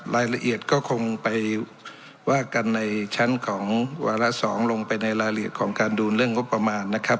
รายละเอียดก็คงไปว่ากันในชั้นของวาระ๒ลงไปในรายละเอียดของการดูเรื่องงบประมาณนะครับ